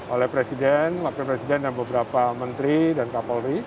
oleh presiden wakil presiden dan beberapa menteri dan kapolri